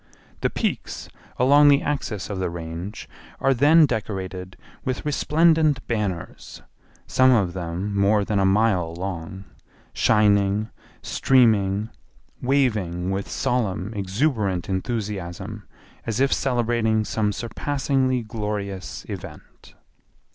The peaks along the axis of the Range are then decorated with resplendent banners, some of them more than a mile long, shining, streaming, waving with solemn exuberant enthusiasm as if celebrating some surpassingly glorious event.